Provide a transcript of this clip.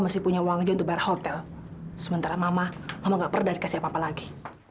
masih punya uang untuk bar hotel sementara mama mama nggak percaya kasih apa apa lagi